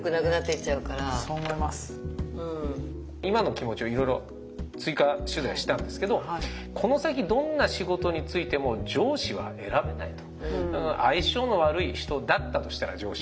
今の気持ちをいろいろ追加取材したんですけどこの先どんな仕事に就いても不安だと。